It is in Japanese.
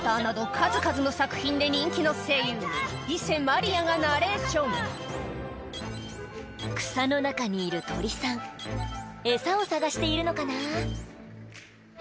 数々の作品で人気の声優伊瀬茉莉也がナレーション草の中にいる鳥さんエサを探しているのかな？